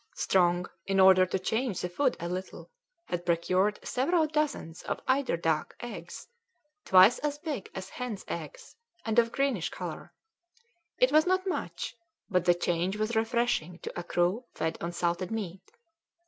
Strong, in order to change the food a little, had procured several dozens of eider duck eggs, twice as big as hens' eggs, and of greenish colour. It was not much, but the change was refreshing to a crew fed on salted meat.